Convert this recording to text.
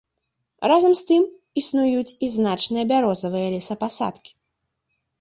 Разам з тым існуюць і значныя бярозавыя лесапасадкі.